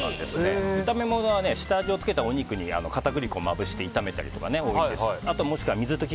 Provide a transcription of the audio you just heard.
炒め物は下味を付けたお肉に片栗粉をまぶして炒めたりとかが多いです。